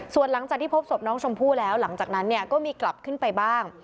ส่วนหลังจากที่พบศพน้องชมพู่แล้วหลังจากนั้นเนี่ยก็มีกลับขึ้นไปบ้าง